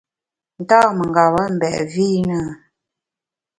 Nta mengeba mbèt vi i na?